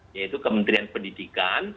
yaitu kementerian pendidikan